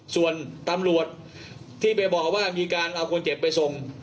ส่วนตำรวจที่ไปบอกว่ามีการเอาคนเจ็บไปส่ง